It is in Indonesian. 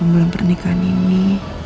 delapan bulan pernikahan ini